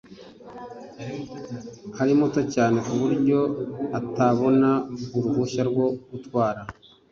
Ari muto cyane kuburyo atabona uruhushya rwo gutwara.